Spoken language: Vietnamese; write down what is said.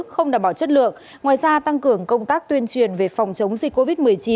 không đảm bảo chất lượng ngoài ra tăng cường công tác tuyên truyền về phòng chống dịch covid một mươi chín